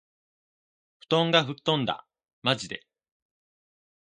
布団が吹っ飛んだ。（まじで）